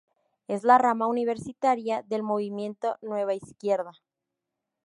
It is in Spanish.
Es la rama universitaria del movimiento Nueva Izquierda.